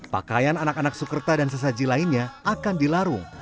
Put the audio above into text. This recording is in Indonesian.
pakaian anak anak sukerta dan sesaji lainnya akan dilarung